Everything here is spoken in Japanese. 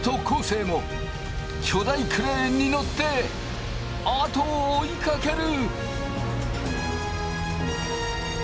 生も巨大クレーンに乗って後を追いかける！